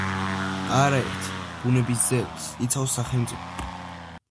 არაერთ ბუნების ძეგლს იცავს სახელმწიფო.